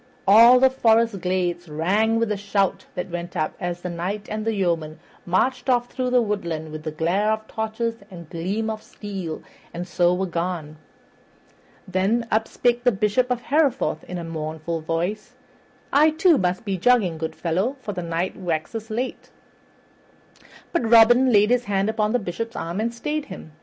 All the forest glades rang with the shout that went up as the Knight and the yeomen marched off through the woodland with glare of torches and gleam of steel, and so were gone. Then up spake the Bishop of Hereford in a mournful voice, "I, too, must be jogging, good fellow, for the night waxes late." But Robin laid his hand upon the Bishop's arm and stayed him.